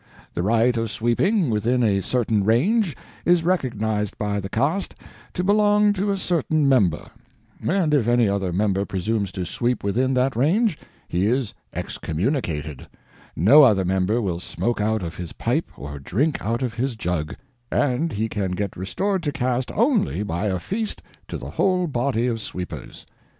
The right of sweeping within a certain range is recognized by the caste to belong to a certain member; and if any other member presumes to sweep within that range, he is excommunicated no other member will smoke out of his pipe or drink out of his jug; and he can get restored to caste only by a feast to the whole body of sweepers.